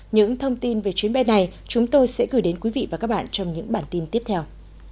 những thông tin về chuyến bay này chúng tôi sẽ gửi đến quý vị và các bạn trong những bản tin tiếp theo